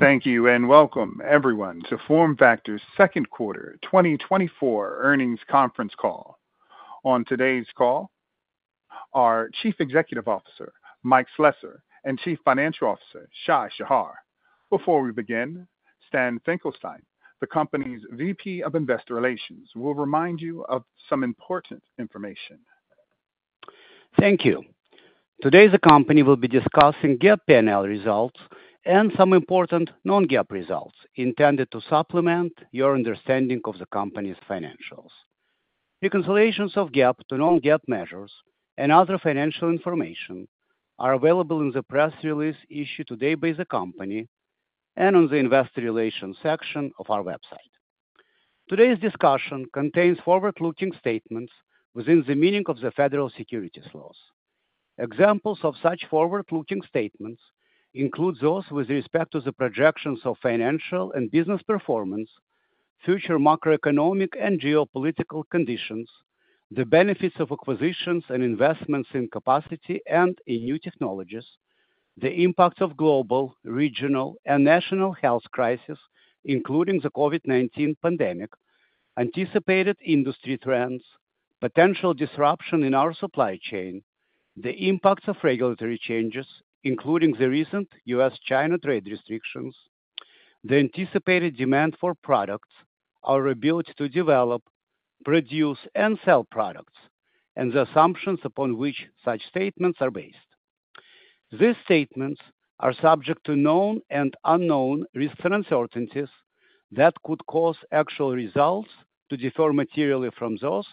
Thank you, and welcome, everyone, to FormFactor's Second Quarter 2024 Earnings Conference Call. On today's call are Chief Executive Officer, Mike Slessor, and Chief Financial Officer, Shai Shahar. Before we begin, Stan Finkelstein, the company's VP of Investor Relations, will remind you of some important information. Thank you. Today, the company will be discussing GAAP P&L results and some important non-GAAP results intended to supplement your understanding of the company's financials. Reconciliations of GAAP to non-GAAP measures and other financial information are available in the press release issued today by the company and on the investor relations section of our website. Today's discussion contains forward-looking statements within the meaning of the federal securities laws. Examples of such forward-looking statements include those with respect to the projections of financial and business performance, future macroeconomic and geopolitical conditions, the benefits of acquisitions and investments in capacity and in new technologies, the impact of global, regional, and national health crisis, including the COVID-19 pandemic, anticipated industry trends, potential disruption in our supply chain, the impacts of regulatory changes, including the recent U.S.-China trade restrictions, the anticipated demand for products, our ability to develop, produce, and sell products, and the assumptions upon which such statements are based. These statements are subject to known and unknown risks and uncertainties that could cause actual results to differ materially from those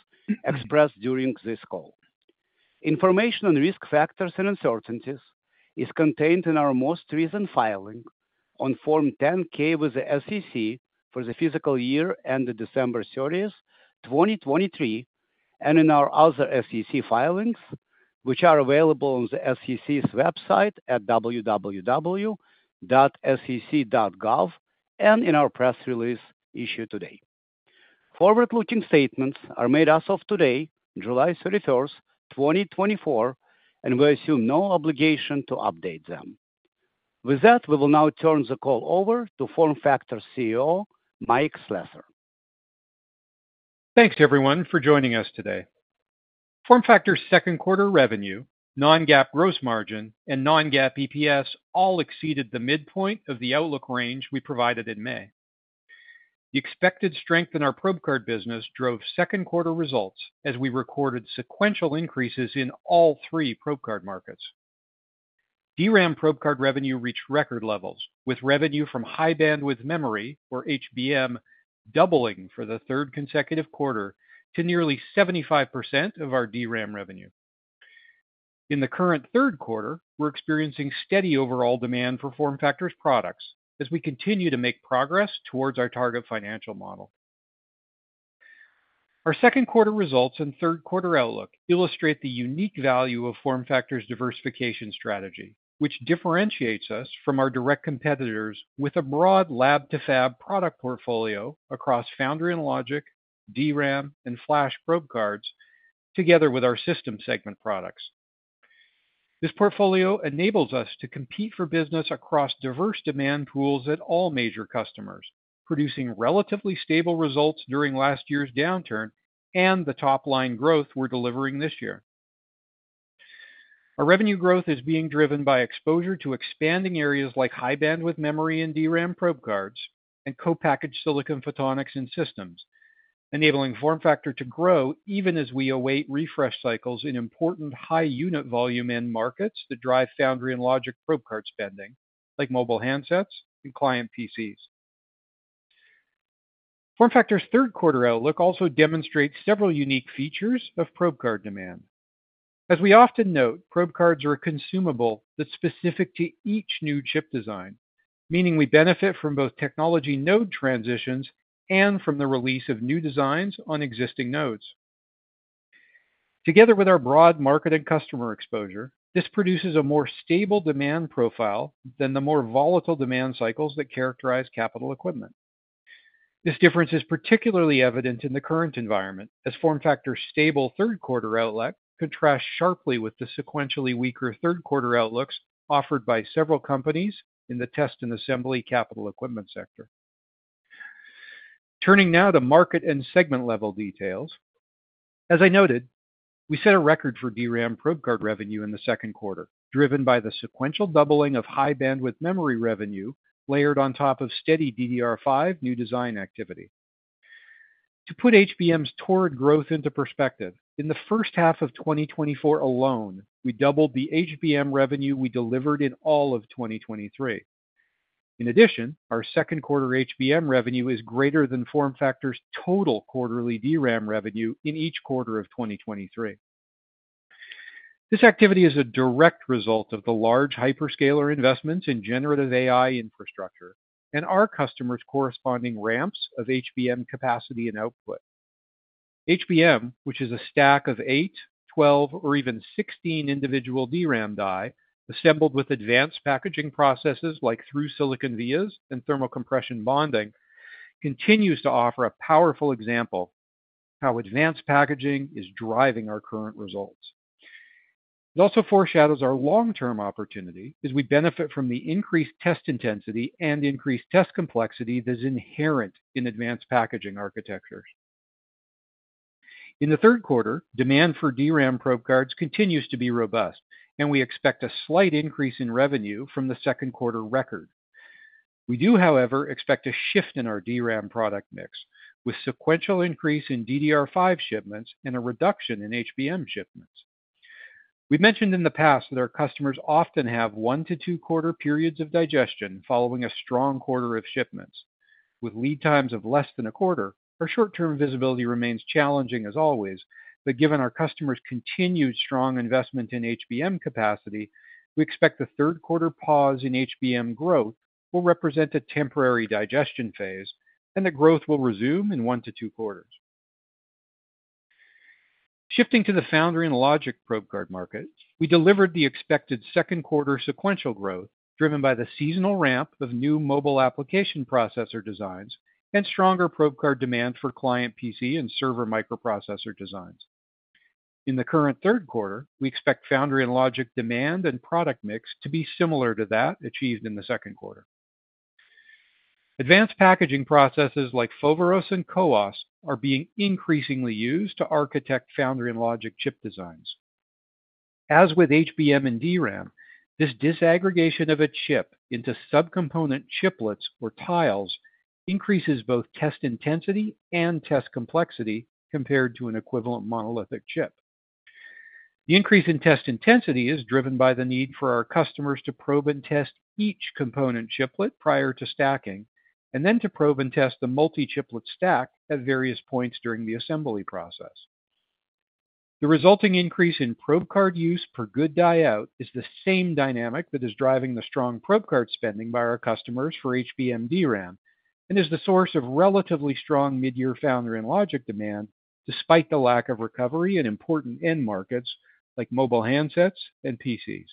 expressed during this call. Information on risk factors and uncertainties is contained in our most recent filing on Form 10-K with the SEC for the fiscal year ended December 30, 2023, and in our other SEC filings, which are available on the SEC's website at www.sec.gov and in our press release issued today. Forward-looking statements are made as of today, July 31st, 2024, and we assume no obligation to update them. With that, we will now turn the call over to FormFactor's CEO, Mike Slessor. Thanks, everyone, for joining us today. FormFactor's second quarter revenue, non-GAAP gross margin, and non-GAAP EPS all exceeded the midpoint of the outlook range we provided in May. The expected strength in our probe card business drove second quarter results as we recorded sequential increases in all three probe card markets. DRAM probe card revenue reached record levels, with revenue from high-bandwidth memory, or HBM, doubling for the third consecutive quarter to nearly 75% of our DRAM revenue. In the current third quarter, we're experiencing steady overall demand for FormFactor's products as we continue to make progress towards our target financial model. Our second quarter results and third quarter outlook illustrate the unique value of FormFactor's diversification strategy, which differentiates us from our direct competitors with a broad lab-to-fab product portfolio across foundry and logic, DRAM, and flash probe cards, together with our system segment products. This portfolio enables us to compete for business across diverse demand pools at all major customers, producing relatively stable results during last year's downturn and the top-line growth we're delivering this year. Our revenue growth is being driven by exposure to expanding areas like high-bandwidth memory and DRAM probe cards, and co-packaged silicon photonics and systems, enabling FormFactor to grow even as we await refresh cycles in important high unit volume end markets that drive foundry and logic probe card spending, like mobile handsets and client PCs. FormFactor's third quarter outlook also demonstrates several unique features of probe card demand. As we often note, probe cards are a consumable that's specific to each new chip design, meaning we benefit from both technology node transitions and from the release of new designs on existing nodes. Together with our broad market and customer exposure, this produces a more stable demand profile than the more volatile demand cycles that characterize capital equipment. This difference is particularly evident in the current environment, as FormFactor's stable third quarter outlook contrasts sharply with the sequentially weaker third quarter outlooks offered by several companies in the test and assembly capital equipment sector. Turning now to market and segment-level details. As I noted, we set a record for DRAM probe card revenue in the second quarter, driven by the sequential doubling of high-bandwidth memory revenue layered on top of steady DDR5 new design activity. To put HBM's two-fold growth into perspective, in the first half of 2024 alone, we doubled the HBM revenue we delivered in all of 2023. In addition, our second quarter HBM revenue is greater than FormFactor's total quarterly DRAM revenue in each quarter of 2023. This activity is a direct result of the large hyperscaler investments in generative AI infrastructure and our customers' corresponding ramps of HBM capacity and output. HBM, which is a stack of 8, 12, or even 16 individual DRAM die, assembled with advanced packaging processes like through-silicon vias and thermal compression bonding, continues to offer a powerful example how advanced packaging is driving our current results. It also foreshadows our long-term opportunity as we benefit from the increased test intensity and increased test complexity that is inherent in advanced packaging architectures. In the third quarter, demand for DRAM probe cards continues to be robust, and we expect a slight increase in revenue from the second quarter record. We do, however, expect a shift in our DRAM product mix, with sequential increase in DDR5 shipments and a reduction in HBM shipments. We've mentioned in the past that our customers often have one to two quarter periods of digestion following a strong quarter of shipments. With lead times of less than a quarter, our short-term visibility remains challenging as always, but given our customers' continued strong investment in HBM capacity, we expect the third quarter pause in HBM growth will represent a temporary digestion phase, and that growth will resume in one to two quarters. Shifting to the foundry and logic probe card market, we delivered the expected second quarter sequential growth, driven by the seasonal ramp of new mobile application processor designs and stronger probe card demand for client PC and server microprocessor designs. In the current third quarter, we expect foundry and logic demand and product mix to be similar to that achieved in the second quarter. Advanced packaging processes like Foveros and CoWoS are being increasingly used to architect foundry and logic chip designs. As with HBM and DRAM, this disaggregation of a chip into subcomponent chiplets or tiles increases both test intensity and test complexity compared to an equivalent monolithic chip. The increase in test intensity is driven by the need for our customers to probe and test each component chiplet prior to stacking, and then to probe and test the multi-chiplet stack at various points during the assembly process. The resulting increase in probe card use per good die out is the same dynamic that is driving the strong probe card spending by our customers for HBM DRAM, and is the source of relatively strong mid-year foundry and logic demand, despite the lack of recovery in important end markets like mobile handsets and PCs.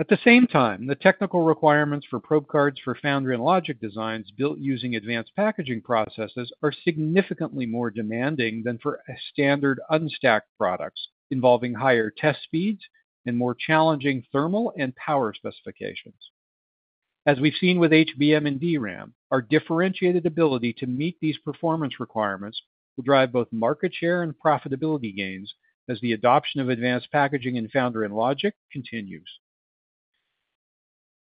At the same time, the technical requirements for probe cards for foundry and logic designs built using advanced packaging processes are significantly more demanding than for a standard unstacked products, involving higher test speeds and more challenging thermal and power specifications. As we've seen with HBM and DRAM, our differentiated ability to meet these performance requirements will drive both market share and profitability gains as the adoption of advanced packaging and foundry and logic continues.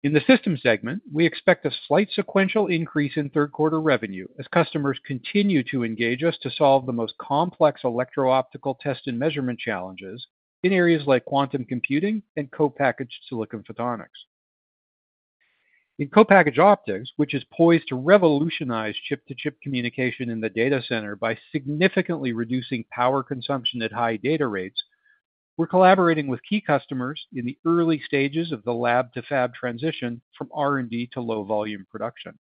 In the system segment, we expect a slight sequential increase in third quarter revenue as customers continue to engage us to solve the most complex electro-optical test and measurement challenges in areas like quantum computing and co-packaged silicon photonics. In co-packaged optics, which is poised to revolutionize chip-to-chip communication in the data center by significantly reducing power consumption at high data rates, we're collaborating with key customers in the early stages of the lab-to-fab transition from R&D to low-volume production.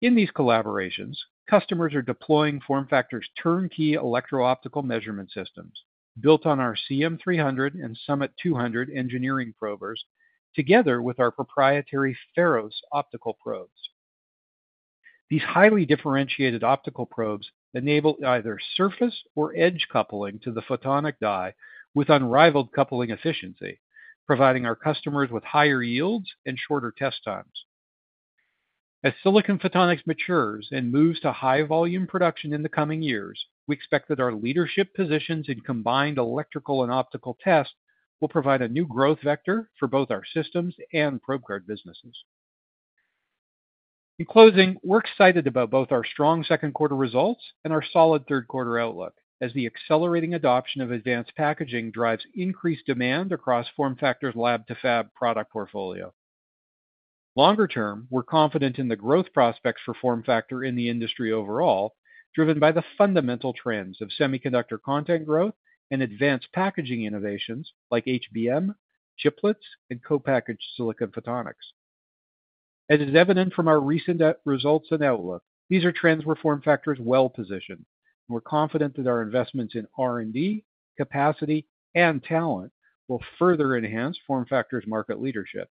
In these collaborations, customers are deploying FormFactor's turnkey electro-optical measurement systems built on our CM300 and SUMMIT200 engineering probers, together with our proprietary Pharos optical probes. These highly differentiated optical probes enable either surface or edge coupling to the photonic die with unrivaled coupling efficiency, providing our customers with higher yields and shorter test times. As silicon photonics matures and moves to high-volume production in the coming years, we expect that our leadership positions in combined electrical and optical test will provide a new growth vector for both our systems and probe card businesses. In closing, we're excited about both our strong second quarter results and our solid third quarter outlook, as the accelerating adoption of advanced packaging drives increased demand across FormFactor's lab-to-fab product portfolio. Longer term, we're confident in the growth prospects for FormFactor in the industry overall, driven by the fundamental trends of semiconductor content growth and advanced packaging innovations like HBM, chiplets, and co-packaged silicon photonics. As is evident from our recent results and outlook, these are trends where FormFactor is well positioned. We're confident that our investments in R&D, capacity, and talent will further enhance FormFactor's market leadership.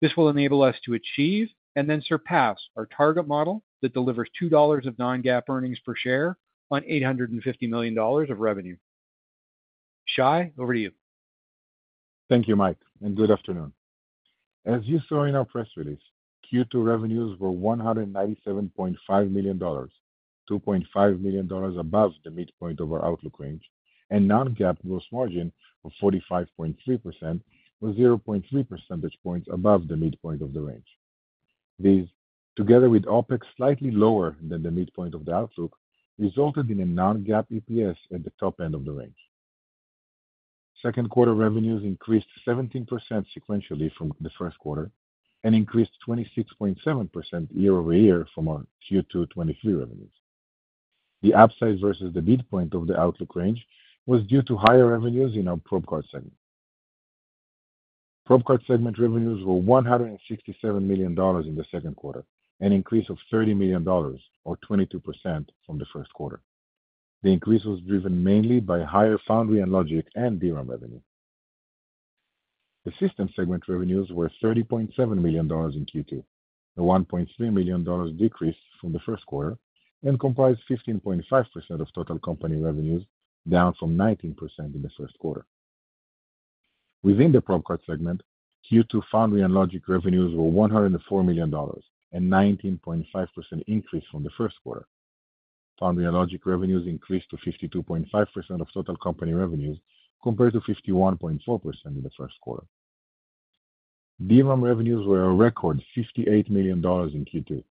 This will enable us to achieve and then surpass our target model that delivers $2 of non-GAAP earnings per share on $850 million of revenue. Shai, over to you. Thank you, Mike, and good afternoon. As you saw in our press release, Q2 revenues were $197.5 million, $2.5 million above the midpoint of our outlook range, and non-GAAP gross margin of 45.3%, was 0.3 percentage points above the midpoint of the range. These, together with OpEx, slightly lower than the midpoint of the outlook, resulted in a non-GAAP EPS at the top end of the range. Second quarter revenues increased 17% sequentially from the first quarter and increased 26.7% year-over-year from our Q2 2023 revenues. The upsize versus the midpoint of the outlook range was due to higher revenues in our probe card segment. Probe card segment revenues were $167 million in the second quarter, an increase of $30 million or 22% from the first quarter. The increase was driven mainly by higher foundry and logic and DRAM revenue. The system segment revenues were $30.7 million in Q2, a $1.3 million decrease from the first quarter, and comprised 15.5% of total company revenues, down from 19% in the first quarter. Within the probe card segment, Q2 foundry and logic revenues were $104 million, a 19.5% increase from the first quarter. Foundry and logic revenues increased to 52.5% of total company revenues, compared to 51.4% in the first quarter. DRAM revenues were a record $58 million in Q2,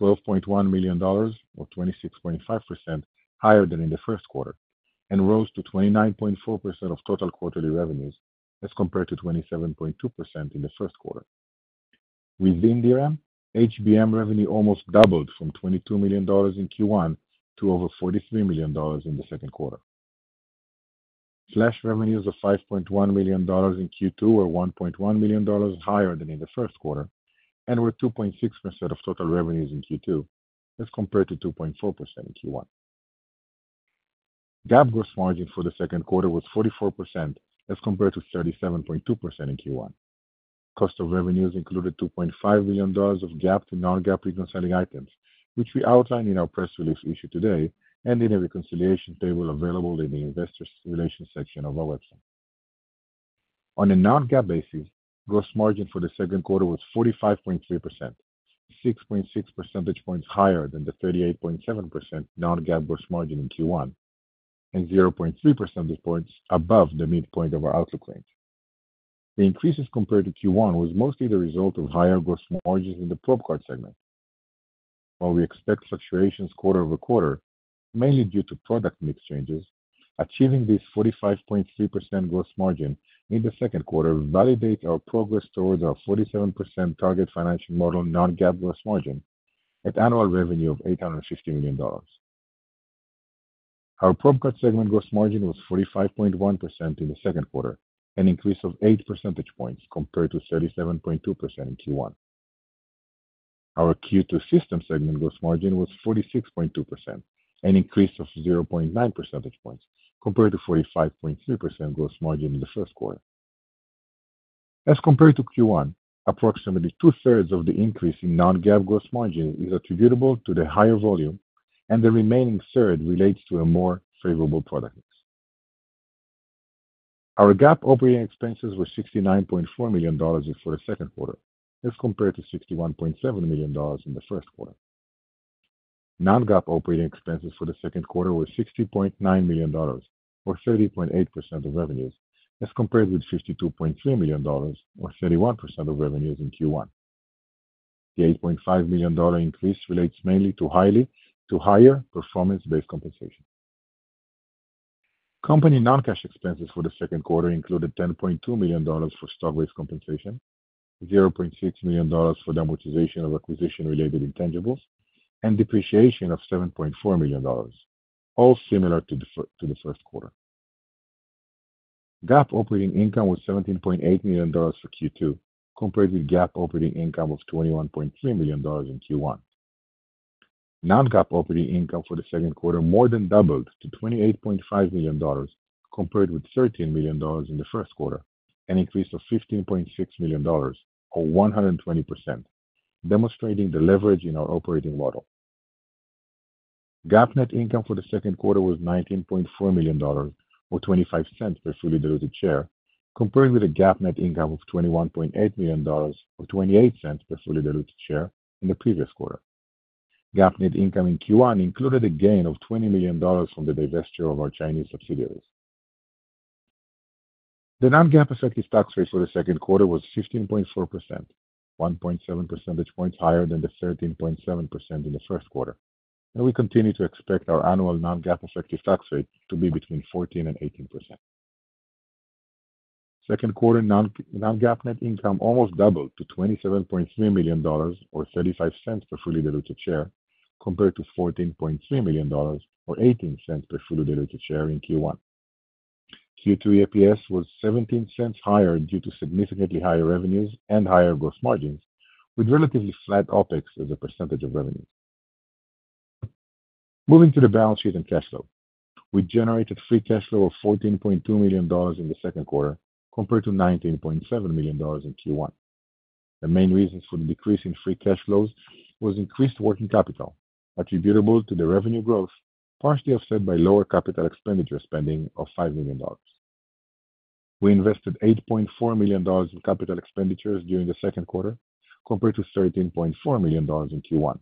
$12.1 million, or 26.5% higher than in the first quarter, and rose to 29.4% of total quarterly revenues as compared to 27.2% in the first quarter. Within DRAM, HBM revenue almost doubled from $22 million in Q1 to over $43 million in the second quarter. Flash revenues of $5.1 million in Q2 were $1.1 million higher than in the first quarter and were 2.6% of total revenues in Q2 as compared to 2.4% in Q1. GAAP gross margin for the second quarter was 44% as compared to 37.2% in Q1. Cost of revenues included $2.5 million of GAAP to non-GAAP reconciling items, which we outlined in our press release issued today and in a reconciliation table available in the investor relations section of our website. On a non-GAAP basis, gross margin for the second quarter was 45.3%, 6.6 percentage points higher than the 38.7% non-GAAP gross margin in Q1, and 0.3 percentage points above the midpoint of our outlook range. The increases compared to Q1 was mostly the result of higher gross margins in the probe card segment. While we expect fluctuations quarter-over-quarter, mainly due to product mix changes, achieving this 45.3% gross margin in the second quarter validates our progress towards our 47% target financial model, non-GAAP gross margin at annual revenue of $850 million. Our probe card segment gross margin was 45.1% in the second quarter, an increase of 8 percentage points compared to 37.2% in Q1. Our Q2 system segment gross margin was 46.2%, an increase of 0.9 percentage points compared to 45.3% gross margin in the first quarter. As compared to Q1, approximately two-thirds of the increase in non-GAAP gross margin is attributable to the higher volume, and the remaining third relates to a more favorable product mix. Our GAAP operating expenses were $69.4 million for the second quarter, as compared to $61.7 million in the first quarter. Non-GAAP operating expenses for the second quarter were $60.9 million, or 30.8% of revenues, as compared with $52.3 million, or 31% of revenues in Q1. The $8.5 million increase relates mainly to higher performance-based compensation. Company non-cash expenses for the second quarter included $10.2 million for stock-based compensation, $0.6 million for the amortization of acquisition-related intangibles, and depreciation of $7.4 million, all similar to the first quarter. GAAP operating income was $17.8 million for Q2, compared with GAAP operating income of $21.3 million in Q1. Non-GAAP operating income for the second quarter more than doubled to $28.5 million, compared with $13 million in the first quarter, an increase of $15.6 million, or 120%, demonstrating the leverage in our operating model. GAAP net income for the second quarter was $19.4 million, or $0.25 per fully diluted share, compared with a GAAP net income of $21.8 million, or $0.28 per fully diluted share in the previous quarter. GAAP net income in Q1 included a gain of $20 million from the divestiture of our Chinese subsidiaries. The non-GAAP effective tax rate for the second quarter was 15.4%, 1.7 percentage points higher than the 13.7% in the first quarter, and we continue to expect our annual non-GAAP effective tax rate to be between 14% and 18%. Second quarter non-GAAP net income almost doubled to $27.3 million, or $0.35 per fully diluted share, compared to $14.3 million, or $0.18 per fully diluted share in Q1. Q2 EPS was $0.17 higher due to significantly higher revenues and higher gross margins, with relatively flat OpEx as a percentage of revenue. Moving to the balance sheet and cash flow. We generated free cash flow of $14.2 million in the second quarter, compared to $19.7 million in Q1. The main reason for the decrease in free cash flows was increased working capital attributable to the revenue growth, partially offset by lower capital expenditure spending of $5 million. We invested $8.4 million in capital expenditures during the second quarter, compared to $13.4 million in Q1.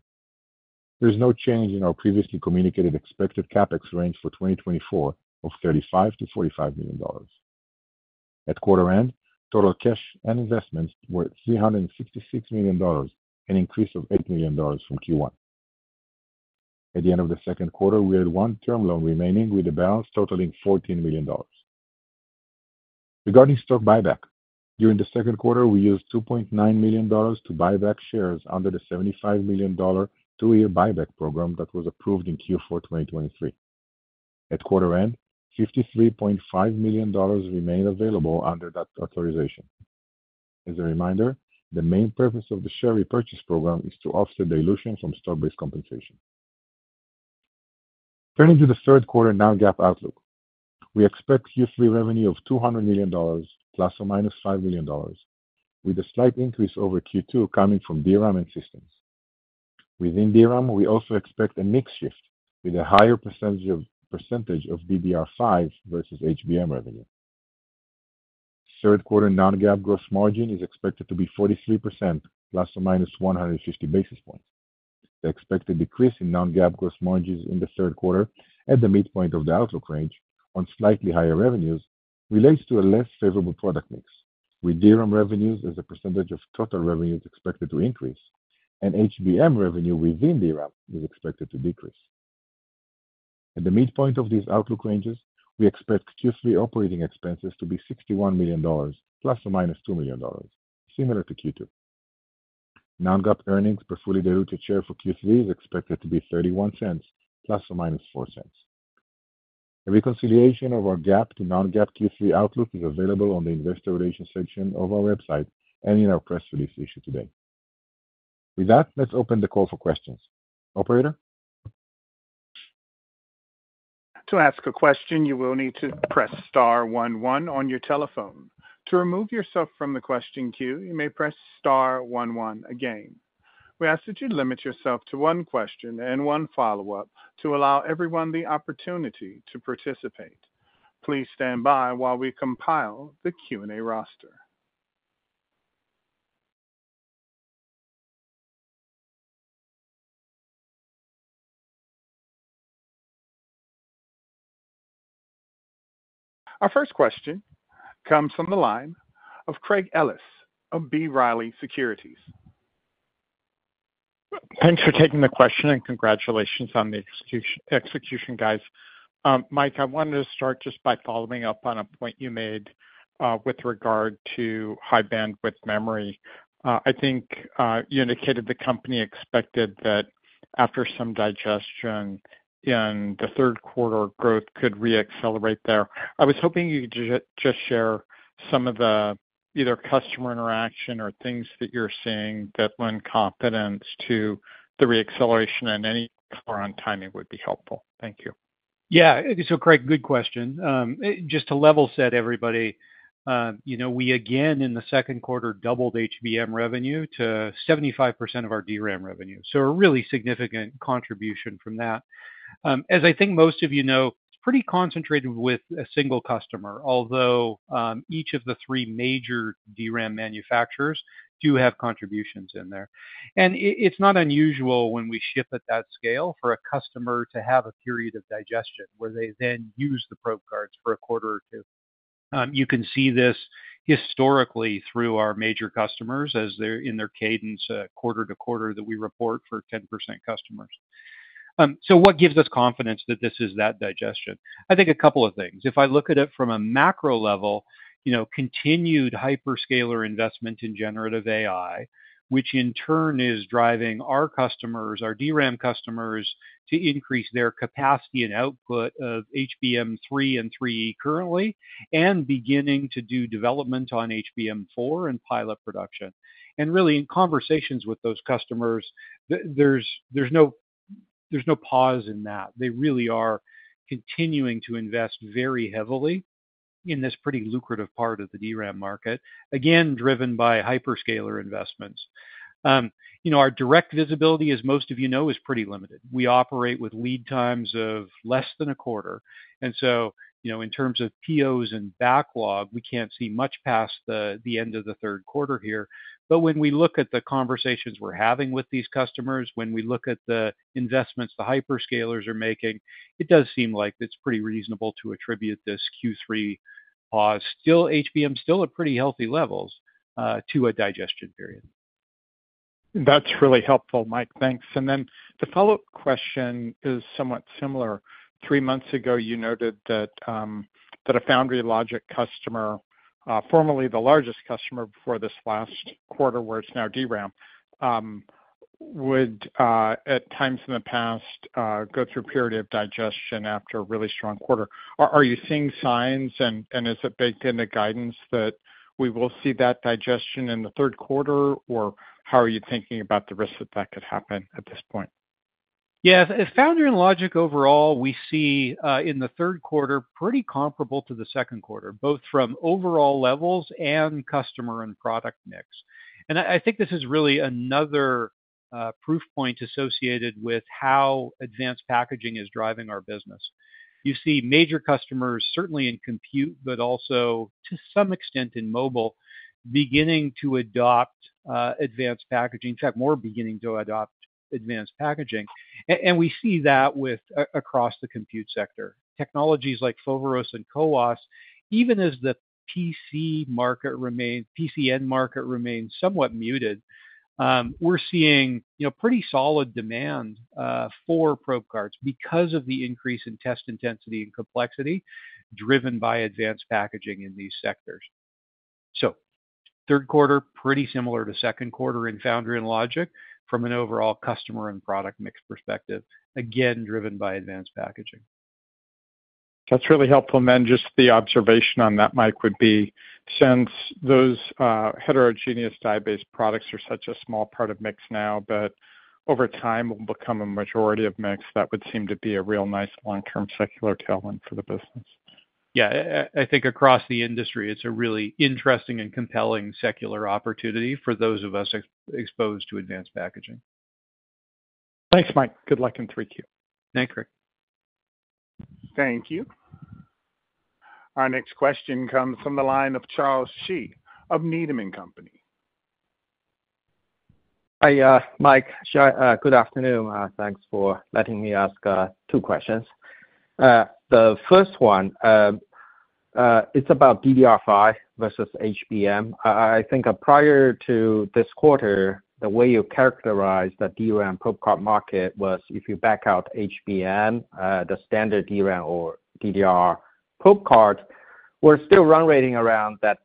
There is no change in our previously communicated expected CapEx range for 2024 of $35-$45 million. At quarter end, total cash and investments were $366 million, an increase of $8 million from Q1. At the end of the second quarter, we had 1 term loan remaining, with a balance totaling $14 million. Regarding stock buyback, during the second quarter, we used $2.9 million to buy back shares under the $75 million two-year buyback program that was approved in Q4 2023. At quarter end, $53.5 million remained available under that authorization. As a reminder, the main purpose of the share repurchase program is to offset dilution from stock-based compensation. Turning to the third quarter, now GAAP outlook. We expect Q3 revenue of $200 million ± $5 million, with a slight increase over Q2 coming from DRAM and systems. Within DRAM, we also expect a mix shift with a higher percentage of, percentage of DDR5 versus HBM revenue. Third quarter non-GAAP gross margin is expected to be 43%, ±150 basis points. The expected decrease in non-GAAP gross margins in the third quarter at the midpoint of the outlook range on slightly higher revenues, relates to a less favorable product mix, with DRAM revenues as a percentage of total revenues expected to increase and HBM revenue within DRAM is expected to decrease. At the midpoint of these outlook ranges, we expect Q3 operating expenses to be $61 million, ±$2 million, similar to Q2. Non-GAAP earnings per fully diluted share for Q3 is expected to be $0.31, ±$0.04. A reconciliation of our GAAP to non-GAAP Q3 outlook is available on the investor relations section of our website and in our press release issued today. With that, let's open the call for questions. Operator? To ask a question, you will need to press star one one on your telephone. To remove yourself from the question queue, you may press star one one again. We ask that you limit yourself to one question and one follow-up to allow everyone the opportunity to participate. Please stand by while we compile the Q&A roster. Our first question comes from the line of Craig Ellis of B. Riley Securities. Thanks for taking the question and congratulations on the execution, guys. Mike, I wanted to start just by following up on a point you made, with regard to high-bandwidth memory. I think, you indicated the company expected that after some digestion in the third quarter, growth could reaccelerate there. I was hoping you could just share some of the, either customer interaction or things that you're seeing that lend confidence to the reacceleration and any color on timing would be helpful. Thank you. Yeah. So, Craig, good question. Just to level set everybody, you know, we again, in the second quarter, doubled HBM revenue to 75% of our DRAM revenue, so a really significant contribution from that. As I think most of you know, it's pretty concentrated with a single customer, although each of the three major DRAM manufacturers do have contributions in there. And it, it's not unusual when we ship at that scale, for a customer to have a period of digestion, where they then use the probe cards for a quarter or two. You can see this historically through our major customers as they're in their cadence, quarter to quarter, that we report for 10% customers. So what gives us confidence that this is that digestion? I think a couple of things. If I look at it from a macro level, you know, continued hyperscaler investment in generative AI, which in turn is driving our customers, our DRAM customers, to increase their capacity and output of HBM3 and HBM3E currently, and beginning to do development on HBM4 and pilot production. And really, in conversations with those customers, there's no pause in that. They really are continuing to invest very heavily in this pretty lucrative part of the DRAM market. Again, driven by hyperscaler investments. You know, our direct visibility, as most of you know, is pretty limited. We operate with lead times of less than a quarter, and so, you know, in terms of POs and backlog, we can't see much past the end of the third quarter here. But when we look at the conversations we're having with these customers, when we look at the investments the hyperscalers are making, it does seem like it's pretty reasonable to attribute this Q3, still HBM, still at pretty healthy levels, to a digestion period. That's really helpful, Mike. Thanks. And then the follow-up question is somewhat similar. Three months ago, you noted that a foundry logic customer, formerly the largest customer before this last quarter, where it's now DRAM, would at times in the past go through a period of digestion after a really strong quarter. Are you seeing signs and is it baked in the guidance that we will see that digestion in the third quarter? Or how are you thinking about the risk that that could happen at this point? Yeah, at foundry and logic overall, we see in the third quarter pretty comparable to the second quarter, both from overall levels and customer and product mix. And I think this is really another proof point associated with how advanced packaging is driving our business. You see major customers, certainly in compute, but also to some extent in mobile, beginning to adopt advanced packaging. In fact, more beginning to adopt advanced packaging. And we see that across the compute sector. Technologies like Foveros and CoWoS, even as the PC market remains somewhat muted, we're seeing, you know, pretty solid demand for probe cards because of the increase in test intensity and complexity, driven by advanced packaging in these sectors. Third quarter, pretty similar to second quarter in foundry and logic from an overall customer and product mix perspective, again, driven by advanced packaging.... That's really helpful. And then just the observation on that, Mike, would be, since those, heterogeneous die-based products are such a small part of mix now, but over time, will become a majority of mix, that would seem to be a real nice long-term secular tailwind for the business. Yeah, I think across the industry, it's a really interesting and compelling secular opportunity for those of us exposed to advanced packaging. Thanks, Mike. Good luck in 3Q. Thank you. Thank you. Our next question comes from the line of Charles Shi of Needham & Company. Hi, Mike, Shai. Good afternoon. Thanks for letting me ask two questions. The first one is about DDR5 versus HBM. I think prior to this quarter, the way you characterized the DRAM probe card market was, if you back out HBM, the standard DRAM or DDR probe card, we're still run rating around that,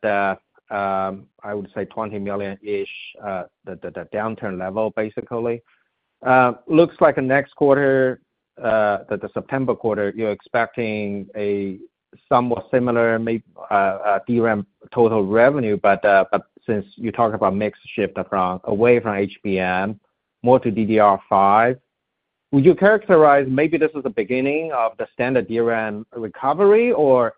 I would say $20 million-ish, the downturn level, basically. Looks like the next quarter, the September quarter, you're expecting a somewhat similar, maybe, DRAM total revenue, but since you talk about mix shift across, away from HBM, more to DDR5, would you characterize maybe this is the beginning of the standard DRAM recovery, or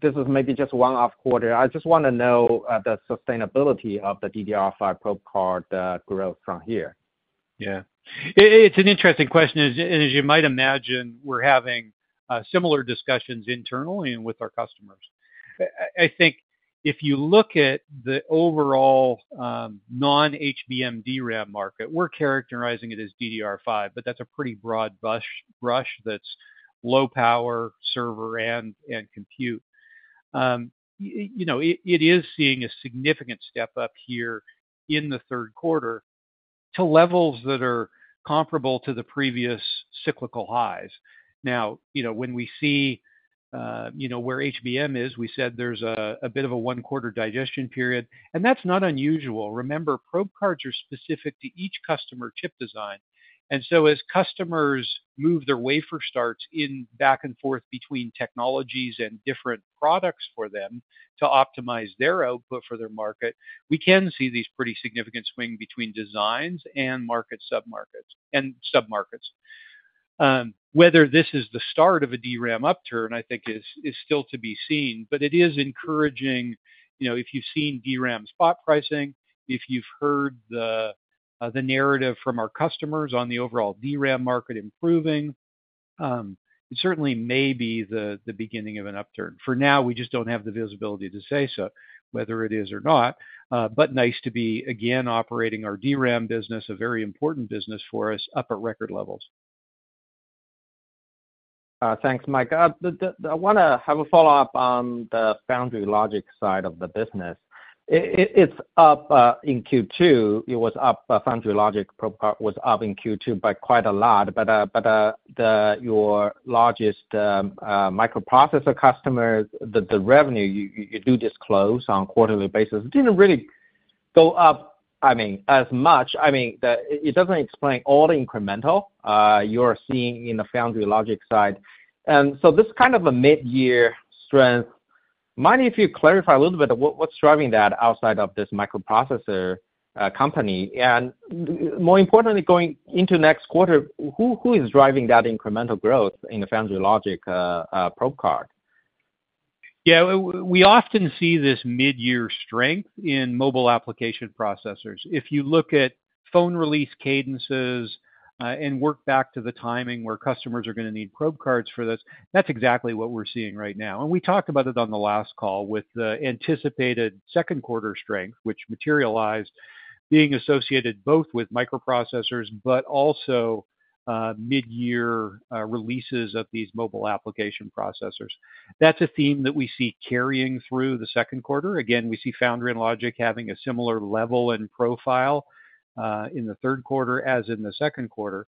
this is maybe just one-off quarter? I just want to know the sustainability of the DDR5 probe card growth from here? Yeah. It's an interesting question, and as you might imagine, we're having similar discussions internally and with our customers. I think if you look at the overall non-HBM DRAM market, we're characterizing it as DDR5, but that's a pretty broad brush that's low power, server, and compute. You know, it is seeing a significant step up here in the third quarter to levels that are comparable to the previous cyclical highs. Now, you know, when we see where HBM is, we said there's a bit of a one-quarter digestion period, and that's not unusual. Remember, probe cards are specific to each customer chip design. And so as customers move their wafer starts in, back and forth between technologies and different products for them to optimize their output for their market, we can see these pretty significant swing between designs and market submarkets, and submarkets. Whether this is the start of a DRAM upturn, I think is, is still to be seen, but it is encouraging. You know, if you've seen DRAM spot pricing, if you've heard the the narrative from our customers on the overall DRAM market improving, it certainly may be the the beginning of an upturn. For now, we just don't have the visibility to say so, whether it is or not, but nice to be, again, operating our DRAM business, a very important business for us, up at record levels. Thanks, Mike. I wanna have a follow-up on the foundry logic side of the business. It's up in Q2. Foundry logic probe card was up in Q2 by quite a lot, but your largest microprocessor customers, the revenue you do disclose on a quarterly basis, didn't really go up, I mean, as much. I mean, it doesn't explain all the incremental you're seeing in the foundry logic side. So this is kind of a midyear strength. Mind if you clarify a little bit what's driving that outside of this microprocessor company? And more importantly, going into next quarter, who is driving that incremental growth in the foundry logic probe card? Yeah, we often see this midyear strength in mobile application processors. If you look at phone release cadences, and work back to the timing where customers are going to need probe cards for this, that's exactly what we're seeing right now. And we talked about it on the last call with the anticipated second quarter strength, which materialized being associated both with microprocessors, but also, midyear releases of these mobile application processors. That's a theme that we see carrying through the second quarter. Again, we see foundry and logic having a similar level and profile, in the third quarter, as in the second quarter.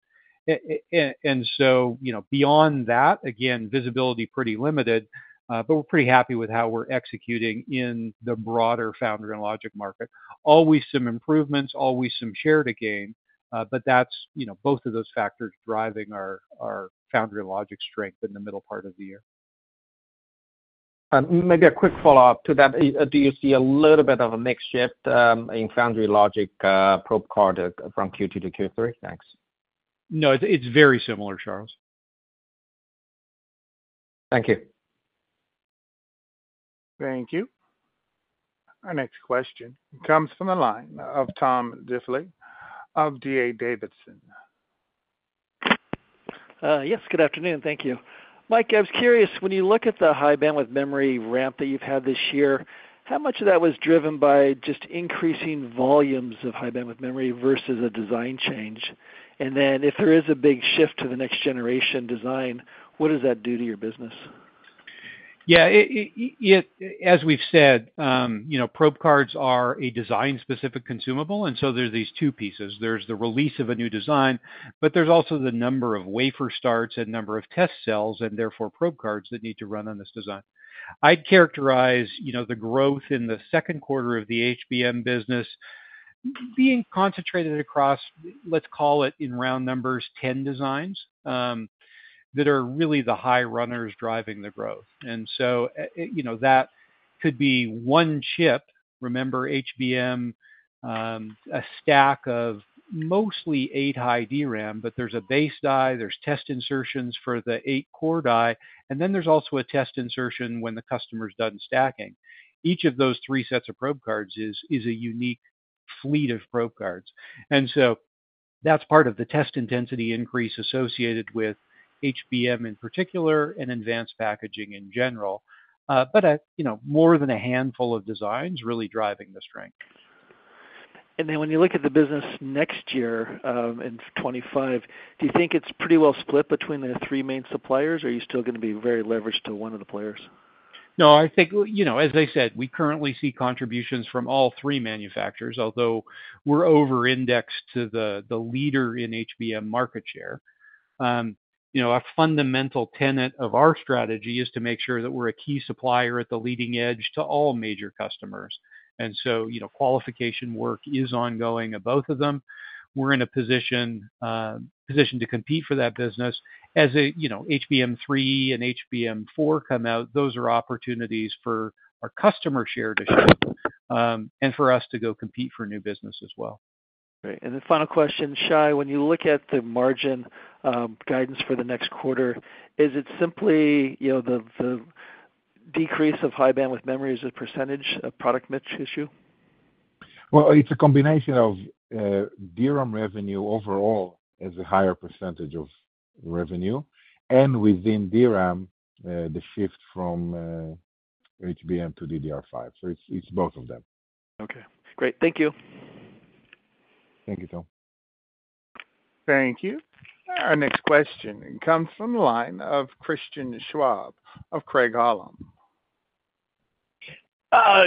And so, you know, beyond that, again, visibility pretty limited, but we're pretty happy with how we're executing in the broader foundry and logic market. Always some improvements, always some share to gain, but that's, you know, both of those factors driving our, our foundry and logic strength in the middle part of the year. Maybe a quick follow-up to that. Do you see a little bit of a mix shift in foundry logic probe card from Q2 to Q3? Thanks. No, it's, it's very similar, Charles. Thank you. Thank you. Our next question comes from the line of Tom Diffley of D.A. Davidson. Yes, good afternoon. Thank you. Mike, I was curious, when you look at the high bandwidth memory ramp that you've had this year, how much of that was driven by just increasing volumes of high bandwidth memory versus a design change? And then if there is a big shift to the next generation design, what does that do to your business? Yeah, as we've said, you know, probe cards are a design-specific consumable, and so there's these two pieces. There's the release of a new design, but there's also the number of wafer starts and number of test cells, and therefore probe cards that need to run on this design. I'd characterize, you know, the growth in the second quarter of the HBM business being concentrated across, let's call it, in round numbers, 10 designs that are really the high runners driving the growth. And so, you know, that could be one chip. Remember, HBM, a stack of mostly 8 high DRAM, but there's a base die, there's test insertions for the 8 core die, and then there's also a test insertion when the customer's done stacking. Each of those three sets of probe cards is a unique fleet of probe cards. That's part of the test intensity increase associated with HBM in particular, and advanced packaging in general. You know, more than a handful of designs really driving the strength. When you look at the business next year, in 2025, do you think it's pretty well split between the three main suppliers, or are you still gonna be very leveraged to one of the players? No, I think, you know, as I said, we currently see contributions from all three manufacturers, although we're over-indexed to the, the leader in HBM market share. You know, a fundamental tenet of our strategy is to make sure that we're a key supplier at the leading edge to all major customers, and so, you know, qualification work is ongoing at both of them. We're in a position, position to compete for that business. As a, you know, HBM3 and HBM4 come out, those are opportunities for our customer share to shift, and for us to go compete for new business as well. Great. The final question, Shai, when you look at the margin guidance for the next quarter, is it simply, you know, the decrease of high bandwidth memory as a percentage of product mix issue? Well, it's a combination of, DRAM revenue overall as a higher percentage of revenue, and within DRAM, the shift from, HBM to DDR5. So it's, it's both of them. Okay, great. Thank you. Thank you, Tom. Thank you. Our next question comes from the line of Christian Schwab of Craig-Hallum.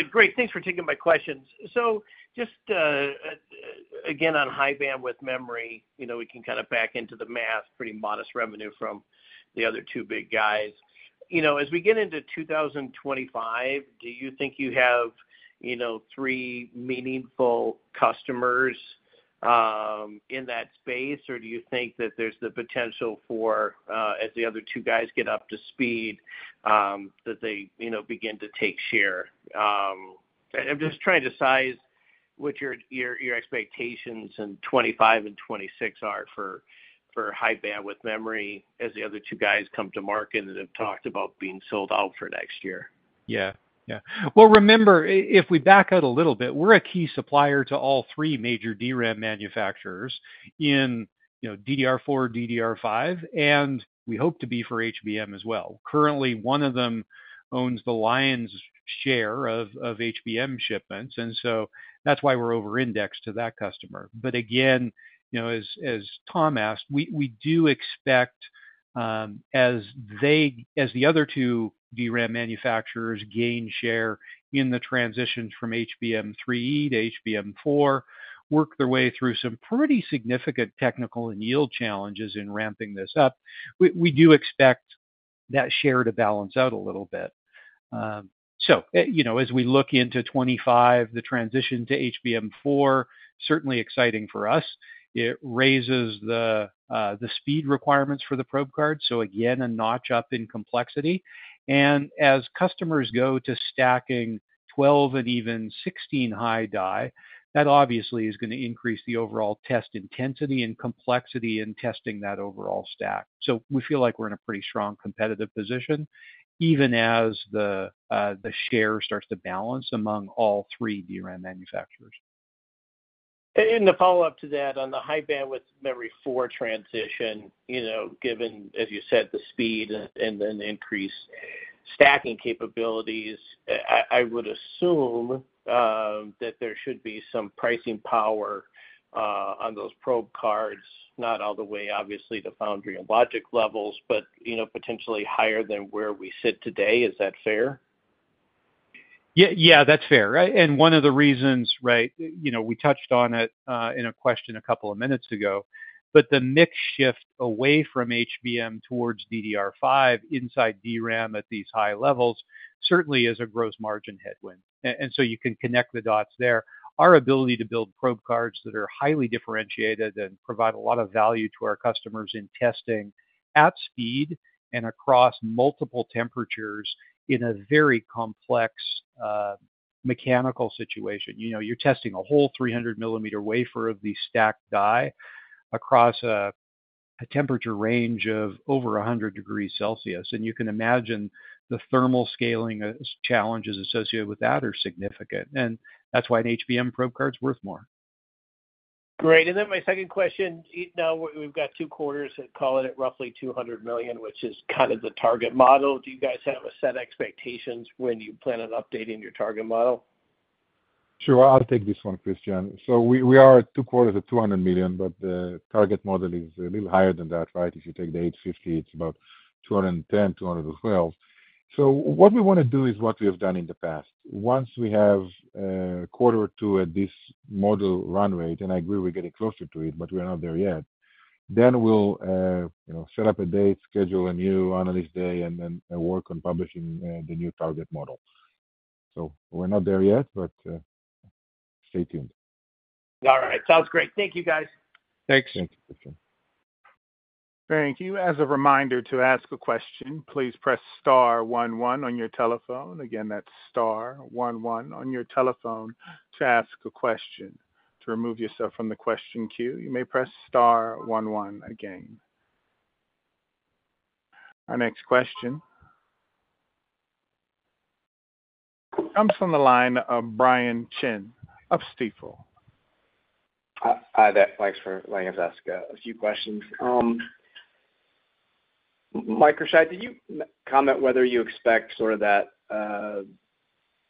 Great, thanks for taking my questions. So just, again, on high bandwidth memory, you know, we can kind of back into the math, pretty modest revenue from the other two big guys. You know, as we get into 2025, do you think you have, you know, three meaningful customers in that space? Or do you think that there's the potential for, as the other two guys get up to speed, that they, you know, begin to take share? I'm just trying to size what your expectations in 25 and 26 are for high bandwidth memory as the other two guys come to market and have talked about being sold out for next year. Yeah. Yeah. Well, remember, if we back out a little bit, we're a key supplier to all three major DRAM manufacturers in, you know, DDR4, DDR5, and we hope to be for HBM as well. Currently, one of them owns the lion's share of HBM shipments, and so that's why we're over-indexed to that customer. But again, you know, as Tom asked, we do expect, as the other two DRAM manufacturers gain share in the transitions from HBM3 to HBM4, work their way through some pretty significant technical and yield challenges in ramping this up, we do expect that share to balance out a little bit. So, you know, as we look into 25, the transition to HBM4, certainly exciting for us. It raises the speed requirements for the probe card, so again, a notch up in complexity. As customers go to stacking 12 and even 16 high die, that obviously is gonna increase the overall test intensity and complexity in testing that overall stack. We feel like we're in a pretty strong competitive position, even as the, the share starts to balance among all three DRAM manufacturers. The follow-up to that, on the High Bandwidth Memory 4 transition, you know, given, as you said, the speed and then increased stacking capabilities, I would assume that there should be some pricing power on those probe cards, not all the way, obviously, to Foundry and logic levels, but you know, potentially higher than where we sit today. Is that fair? Yeah, yeah, that's fair. And one of the reasons, right, you know, we touched on it in a question a couple of minutes ago, but the mix shift away from HBM towards DDR5 inside DRAM at these high levels certainly is a gross margin headwind. And so you can connect the dots there. Our ability to build probe cards that are highly differentiated and provide a lot of value to our customers in testing at speed and across multiple temperatures in a very complex mechanical situation. You know, you're testing a whole 300 millimeter wafer of the stacked die across a temperature range of over 100 degrees Celsius, and you can imagine the thermal scaling, as challenges associated with that are significant, and that's why an HBM probe card's worth more. Great. And then my second question, now, we've got two quarters, call it, at roughly $200 million, which is kind of the target model. Do you guys have a set expectations when you plan on updating your target model? Sure. I'll take this one, Christian. So we, we are at two quarters at $200 million, but the target model is a little higher than that, right? If you take the 850, it's about $210-$212. So what we wanna do is what we have done in the past. Once we have a quarter or 2 at this model run rate, and I agree we're getting closer to it, but we are not there yet, then we'll, you know, set up a date, schedule a new analyst day, and then work on publishing the new target model. So we're not there yet, but stay tuned. All right. Sounds great. Thank you, guys. Thanks. Thank you, Christian.... Thank you. As a reminder, to ask a question, please press star one one on your telephone. Again, that's star one one on your telephone to ask a question. To remove yourself from the question queue, you may press star one one again. Our next question comes from the line of Brian Chin of Stifel. Hi there. Thanks for letting us ask a few questions. Mike Slessor, did you comment whether you expect sort of that,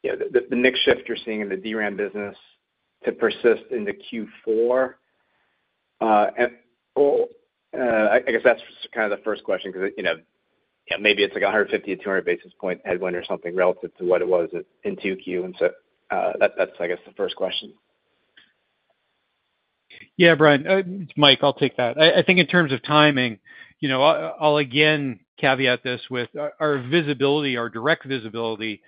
you know, the mix shift you're seeing in the DRAM business to persist into Q4? And I guess that's kind of the first question, 'cause, you know, yeah, maybe it's like a 150-200 basis point headwind or something relative to what it was in 2Q. And so, that's, I guess, the first question. Yeah, Brian, Mike, I'll take that. I think in terms of timing, you know, I'll again caveat this with our visibility, our direct visibility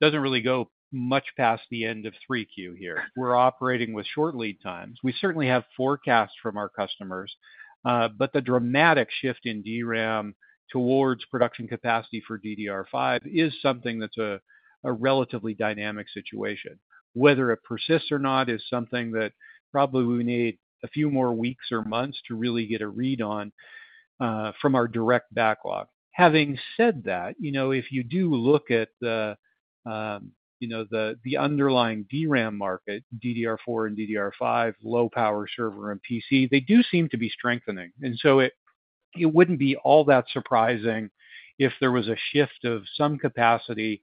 doesn't really go much past the end of three Q here. We're operating with short lead times. We certainly have forecasts from our customers, but the dramatic shift in DRAM towards production capacity for DDR5 is something that's a relatively dynamic situation. Whether it persists or not is something that probably we need a few more weeks or months to really get a read on from our direct backlog. Having said that, you know, if you do look at the underlying DRAM market, DDR4 and DDR5, low power server and PC, they do seem to be strengthening. And so it wouldn't be all that surprising if there was a shift of some capacity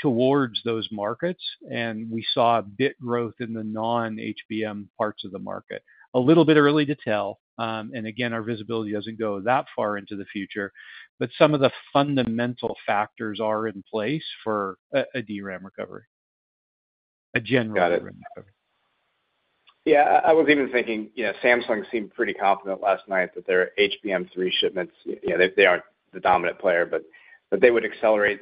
towards those markets, and we saw a bit growth in the non-HBM parts of the market. A little bit early to tell, and again, our visibility doesn't go that far into the future, but some of the fundamental factors are in place for a DRAM recovery, a general- Got it. Recovery. Yeah, I was even thinking, you know, Samsung seemed pretty confident last night that their HBM3 shipments, you know, they, they aren't the dominant player, but, but they would accelerate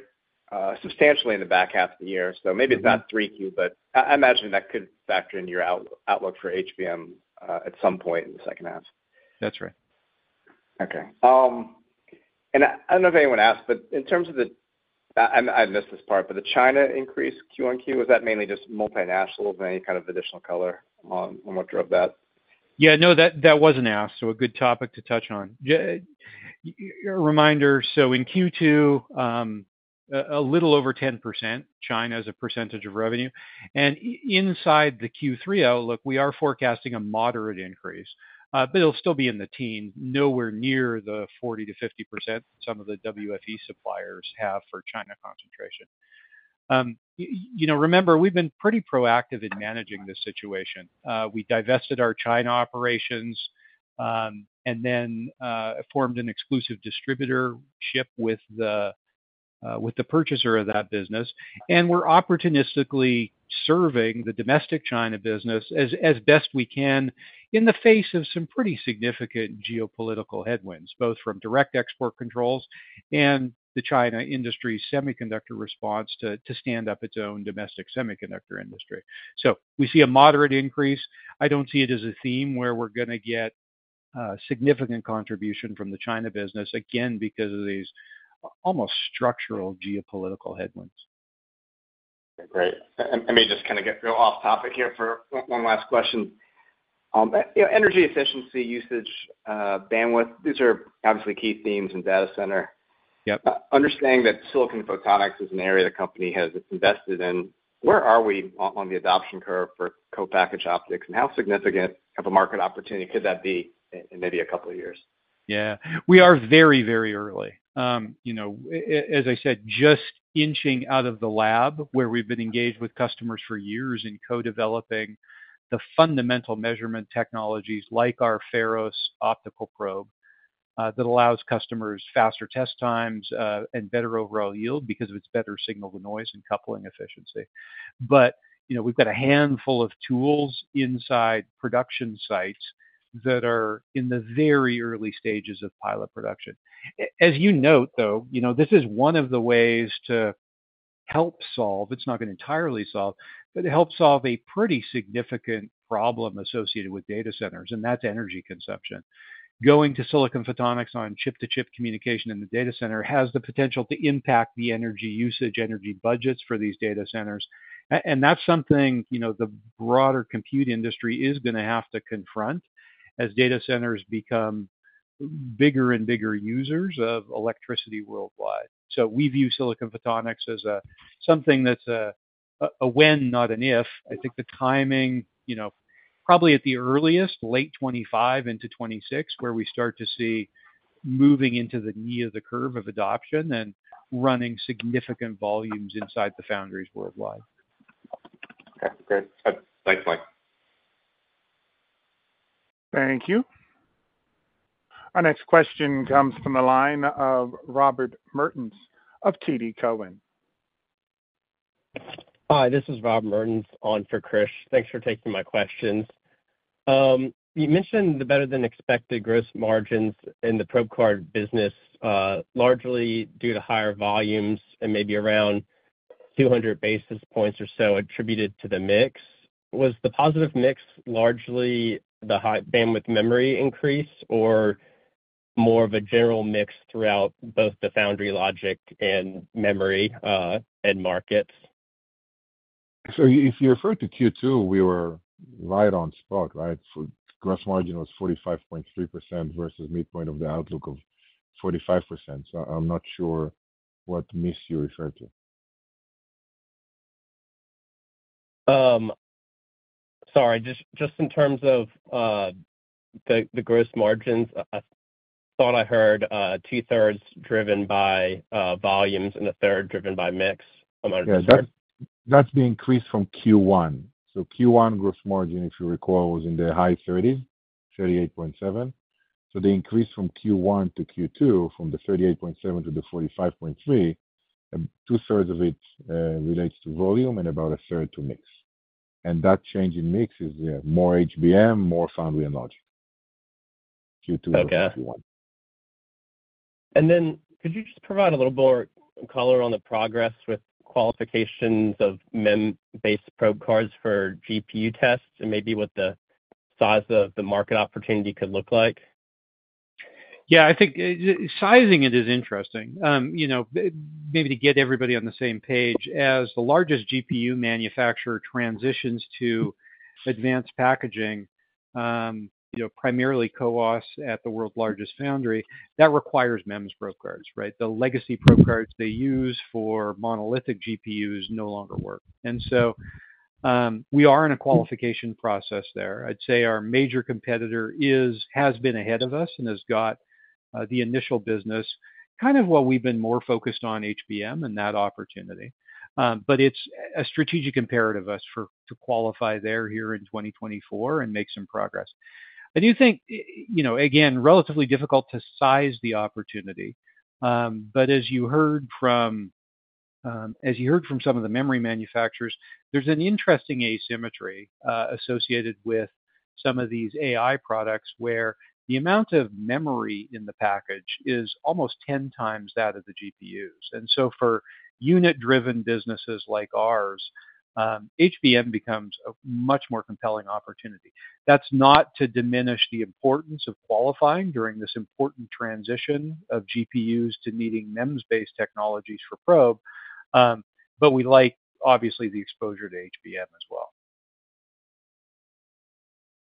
substantially in the back half of the year. Mm-hmm. So maybe it's not 3Q, but I imagine that could factor into your outlook for HBM at some point in the second half. That's right. Okay. And I don't know if anyone asked, but in terms of the... I missed this part, but the China increase Q1Q was that mainly just multinational? Any kind of additional color on what drove that? Yeah, no, that, that wasn't asked, so a good topic to touch on. Yeah, your reminder, so in Q2, a little over 10%, China as a percentage of revenue, and inside the Q3 outlook, we are forecasting a moderate increase. But it'll still be in the teens, nowhere near the 40%-50% some of the WFE suppliers have for China concentration. You know, remember, we've been pretty proactive in managing this situation. We divested our China operations, and then formed an exclusive distributorship with the purchaser of that business. And we're opportunistically serving the domestic China business as best we can, in the face of some pretty significant geopolitical headwinds, both from direct export controls and the China industry's semiconductor response to stand up its own domestic semiconductor industry. So we see a moderate increase. I don't see it as a theme where we're going to get significant contribution from the China business, again, because of these almost structural geopolitical headwinds. Great. I may just kind of get real off topic here for one last question. You know, energy efficiency, usage, bandwidth, these are obviously key themes in data center. Yep. Understanding that silicon photonics is an area the company has invested in, where are we on the adoption curve for co-packaged optics, and how significant of a market opportunity could that be in maybe a couple of years? Yeah, we are very, very early. You know, as I said, just inching out of the lab, where we've been engaged with customers for years in co-developing the fundamental measurement technologies, like our Pharos optical probe, that allows customers faster test times, and better overall yield because of its better signal-to-noise and coupling efficiency. But, you know, we've got a handful of tools inside production sites that are in the very early stages of pilot production. As you note, though, you know, this is one of the ways to help solve, it's not going to entirely solve, but to help solve a pretty significant problem associated with data centers, and that's energy consumption. Going to silicon photonics on chip-to-chip communication in the data center has the potential to impact the energy usage, energy budgets for these data centers. And that's something, you know, the broader compute industry is going to have to confront as data centers become bigger and bigger users of electricity worldwide. So we view silicon photonics as something that's a when, not an if. I think the timing, you know, probably at the earliest, late 2025 into 2026, where we start to see moving into the knee of the curve of adoption and running significant volumes inside the foundries worldwide. Okay, great. Thanks, Mike. Thank you. Our next question comes from the line of Robert Mertens of TD Cowen. Hi, this is Robert on for Krish. Thanks for taking my questions. You mentioned the better-than-expected gross margins in the probe card business, largely due to higher volumes and maybe around 200 basis points or so attributed to the mix. Was the positive mix largely the high bandwidth memory increase, or more of a general mix throughout both the foundry logic and memory end markets? So if you refer to Q2, we were right on spot, right? So gross margin was 45.3% versus midpoint of the outlook of 45%. So I'm not sure what mix you refer to. Sorry, just in terms of the gross margins, I thought I heard two-thirds driven by volumes and a third driven by mix. I'm not sure. Yeah, that's the increase from Q1. So Q1 gross margin, if you recall, was in the high 30s, 38.7%. So the increase from Q1 to Q2, from the 38.7% to the 45.3%, two-thirds of it relates to volume and about a third to mix. And that change in mix is, yeah, more HBM, more foundry and logic, Q2 to Q1. Okay. And then could you just provide a little more color on the progress with qualifications of MEMS-based probe cards for GPU tests and maybe what the size of the market opportunity could look like? Yeah, I think sizing it is interesting. You know, maybe to get everybody on the same page, as the largest GPU manufacturer transitions to advanced packaging, you know, primarily CoWoS at the world's largest foundry, that requires MEMS probe cards, right? The legacy probe cards they use for monolithic GPUs no longer work. And so, we are in a qualification process there. I'd say our major competitor has been ahead of us and has got the initial business, kind of while we've been more focused on HBM and that opportunity. But it's a strategic imperative for us to qualify there here in 2024 and make some progress. I do think you know, again, relatively difficult to size the opportunity. But as you heard from some of the memory manufacturers, there's an interesting asymmetry associated with some of these AI products, where the amount of memory in the package is almost 10 times that of the GPUs. And so for unit-driven businesses like ours, HBM becomes a much more compelling opportunity. That's not to diminish the importance of qualifying during this important transition of GPUs to needing MEMS-based technologies for probe, but we like, obviously, the exposure to HBM as well.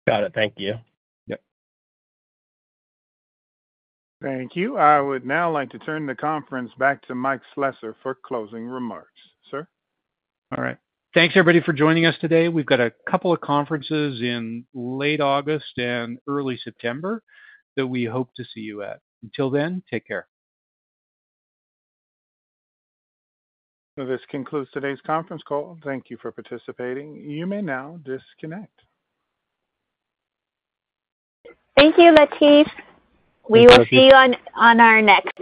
Got it. Thank you. Yep. Thank you. I would now like to turn the conference back to Mike Slessor for closing remarks. Sir? All right. Thanks, everybody, for joining us today. We've got a couple of conferences in late August and early September that we hope to see you at. Until then, take care. This concludes today's conference call. Thank you for participating. You may now disconnect. Thank you, Latif. Thank you. We will see you on our next call.